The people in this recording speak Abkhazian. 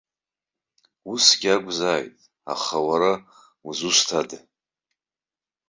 Усгьы акәзааит, аха уара узусҭада?